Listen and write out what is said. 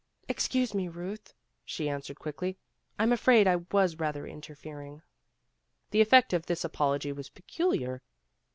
"Excuse me, Ruth," she answered quickly. "I'm afraid I was rather interfering." The effect of this apology was peculiar.